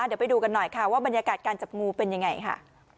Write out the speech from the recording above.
เดี๋ยวไปดูกันหน่อยค่ะว่าบรรยากาศการจับงูเป็นยังไงค่ะ